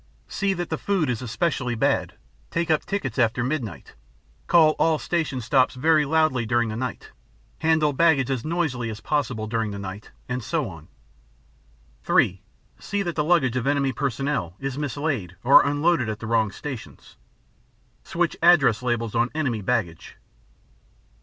See that the food is especially bad, take up tickets after midnight, call all station stops very loudly during the night, handle baggage as noisily as possible during the night, and so on. (3) See that the luggage of enemy personnel is mislaid or unloaded at the wrong stations. Switch address labels on enemy baggage.